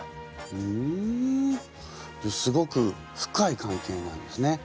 ふんすごく深い関係なんですね。